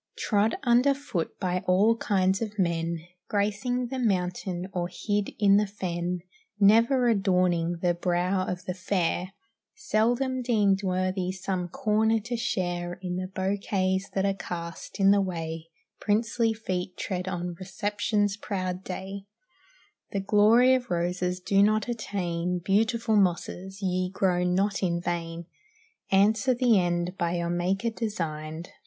Trod under foot by all kinds of men; Gracing the mountain or hid in the fen; Never adorning the brow of the fair; Seldom deemed worthy some corner to share In the bouquets that are cast in the way Princely feet tread on reception's proud day; The glory of roses do not attain; Beautiful mosses, ye grow not in vain. Answer the end by your Maker designed.